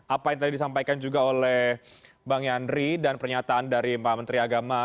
apa yang tadi disampaikan juga oleh bang yandri dan pernyataan dari pak menteri agama